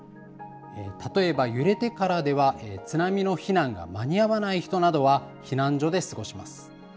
例えば、揺れてからでは津波の避難が間に合わない人などは、避難所で過ごします。